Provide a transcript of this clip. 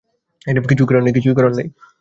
কিছুই করার নেই।